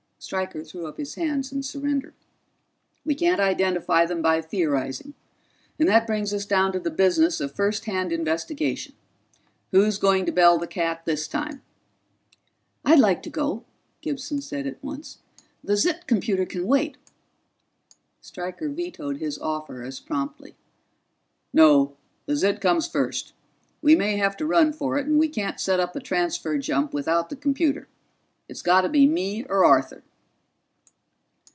Stryker threw up his hands in surrender. "We can't identify them by theorizing, and that brings us down to the business of first hand investigation. Who's going to bell the cat this time?" "I'd like to go," Gibson said at once. "The ZIT computer can wait." Stryker vetoed his offer as promptly. "No, the ZIT comes first. We may have to run for it, and we can't set up a Transfer jump without the computer. It's got to be me or Arthur."